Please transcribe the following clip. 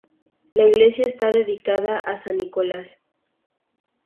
La iglesia está dedicada a san Nicolás.